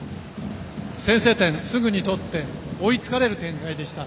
先制点すぐに取って追いつかれる展開でした。